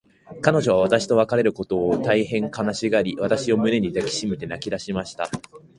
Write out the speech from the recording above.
彼女は私と別れることを、大へん悲しがり、私を胸に抱きしめて泣きだしました。